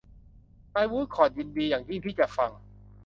นายวูดคอร์ทยินดีอย่างยิ่งที่จะฟัง